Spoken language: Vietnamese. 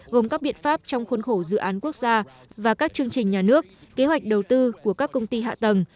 gồm các biện pháp trong khuôn khổ dự án quốc gia và các chương trình nhà nước kế hoạch đầu tư của các công ty hạ tầng